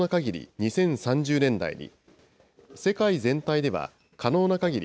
２０３０年代に、世界全体では可能なかぎり